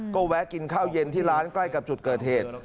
ก็แวะกินข้าวเย็นที่ร้านใกล้กับจุดเกิดเหตุ